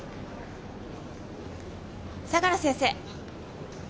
相良先生。